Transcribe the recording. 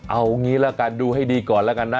เอาอย่างนี้ละกันดูให้ดีก่อน